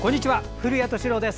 古谷敏郎です。